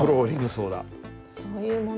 そういうもの。